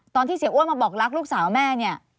ตอนที่เสียอ้วนมาบอกรักลูกสาวแม่เนี่ย